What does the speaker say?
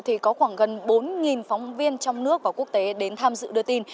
thì có khoảng gần bốn phóng viên trong nước và quốc tế đến tham dự đưa tin